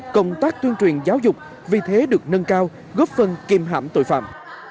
công tác tuyên truyền giáo dục vì thế được nâng cao góp phần kiềm hãm tội phạm